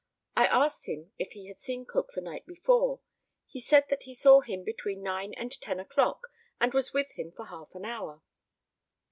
I asked him if he had seen Cook the night before. He said that he saw him between nine and ten o'clock, and was with him for half an hour.